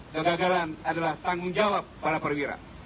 kegagalan adalah tanggung jawab para perwira